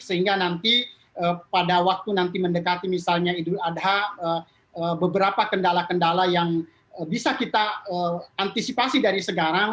sehingga nanti pada waktu nanti mendekati misalnya idul adha beberapa kendala kendala yang bisa kita antisipasi dari sekarang